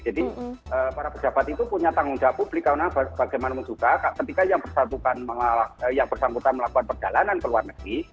jadi para pejabat itu punya tanggung jawab publik karena bagaimanapun juga ketika yang bersangkutan melakukan perjalanan ke luar negeri